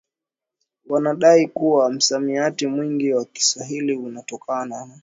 Wanadai kuwa msamiati mwingi wa Kiswahili unatokana